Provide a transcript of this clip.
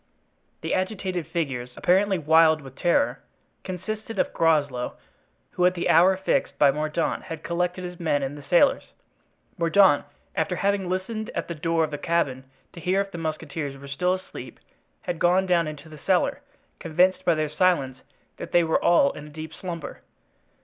The agitated figures, apparently wild with terror, consisted of Groslow, who at the hour fixed by Mordaunt had collected his men and the sailors. Mordaunt, after having listened at the door of the cabin to hear if the musketeers were still asleep, had gone down into the cellar, convinced by their silence that they were all in a deep slumber.